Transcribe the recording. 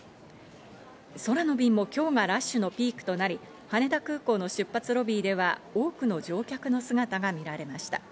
空の便も今日がラッシュのピークとなり、羽田空港の出発ロビーでは多くの乗客の姿が見られました。